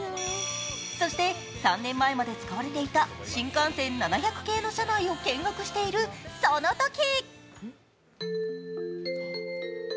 そして３年前まで使われていた新幹線７００系の車内を見学している、そのとき！